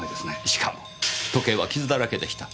しかも時計は傷だらけでした。